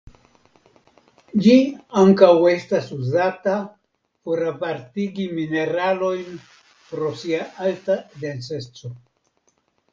Ĝi ankaŭ estas uzata por apartigi mineralojn pro sia alta denseco.